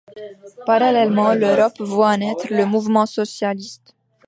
Parallèlement l’Europe voit naître le mouvement socialiste.